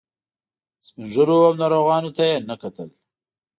سپین ږیرو او ناروغانو ته یې نه کتل.